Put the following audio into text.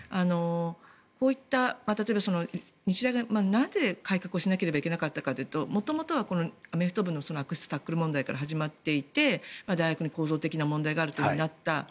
こういった、例えば日大がなぜ改革をしなければいけなかったかというと元々はアメフト部の悪質タックル問題から始まっていて大学に構造的な問題があるとなった。